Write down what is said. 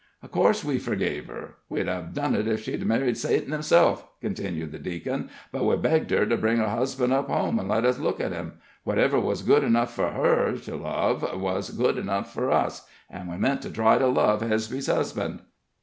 "Of course, we forgave her. We'd hev done it ef she married Satan himself," continued the deacon. "But we begged her to bring her husband up home, an' let us look at him. Whatever was good enough for her to love was good enough for us, and we meant to try to love Hesby's husband."